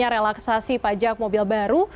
relaksasi pajak mobil baru